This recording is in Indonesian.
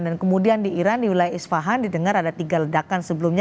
dan kemudian di iran di wilayah isfahan didengar ada tiga ledakan sebelumnya